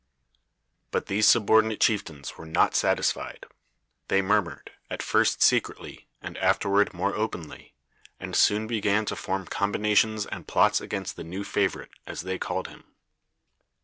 But these subordinate chieftains were not satisfied. They murmured, at first secretly, and afterward more openly, and soon began to form combinations and plots against the new favorite, as they called him.